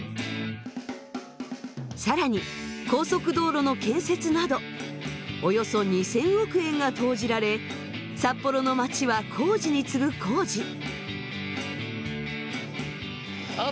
更に高速道路の建設などおよそ２，０００億円が投じられ札幌の街は工事に次ぐ工事。